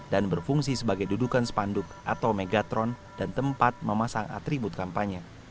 dan berfungsi sebagai dudukan sepanduk atau megatron dan tempat memasang atribut kampanye